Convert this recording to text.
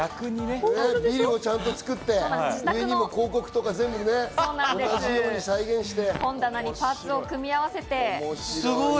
ビルをちゃんと作って、ビルの広告とかちゃんと同じように再現し本棚にパーツを組み合わせて。